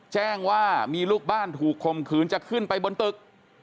แจ้งว่ามีลูกบ้านถูกคมขืนจะขึ้นไปบนตึก